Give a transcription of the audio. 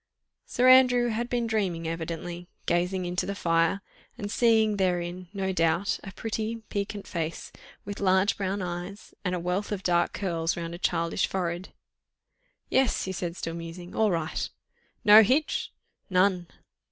Sir Andrew had been dreaming evidently, gazing into the fire, and seeing therein, no doubt, a pretty, piquant face, with large brown eyes and a wealth of dark curls round a childish forehead. "Yes!" he said, still musing, "all right!" "No hitch?" "None."